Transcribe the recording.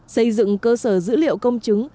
xây dựng cơ sở dữ liệu công chứng